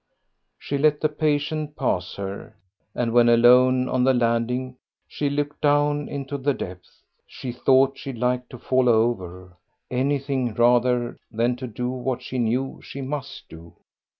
She let the patient pass her, and when alone on the landing she looked down into the depth. She thought she'd like to fall over; anything rather than to do what she knew she must do.